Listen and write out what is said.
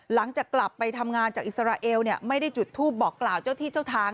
หลังจากกลับไปทำงานจากอิสราเอลไม่ได้จุดทูปบอกกล่าวเจ้าที่เจ้าทาง